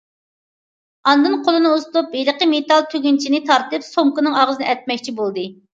ئاندىن قولىنى ئۇزىتىپ ھېلىقى مېتال تۈگۈنچىنى تارتىپ سومكىنىڭ ئاغزىنى ئەتمەكچى بولدى.